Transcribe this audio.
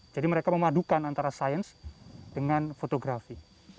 jadi mereka memadukan antara sains dengan fotografi